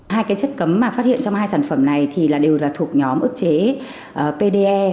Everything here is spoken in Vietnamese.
hai cái chất cấm mà phát hiện trong hai sản phẩm này thì đều là thuộc nhóm ức chế pde